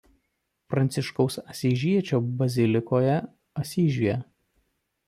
Pranciškaus Asyžiečio bazilikoje Asyžiuje.